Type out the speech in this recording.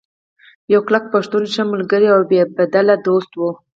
يو کلک پښتون ، ښۀ ملګرے او بې بدله دوست وو